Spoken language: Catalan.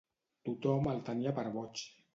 Tothom el tenia per boig.